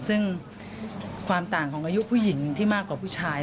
ซึ่งความต่างของอายุผู้หญิงที่มากกว่าผู้ชาย